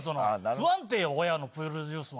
不安定よ、親のプロデュースは。